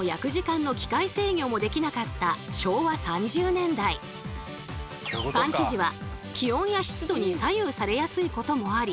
今のようにパン生地は気温や湿度に左右されやすいこともあり